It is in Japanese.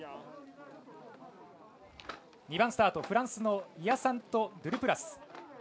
２番スタート、フランスのイアサント・ドゥルプラス。